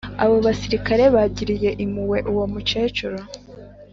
abo basirikare bagiriye impuhwe uwo mukecuru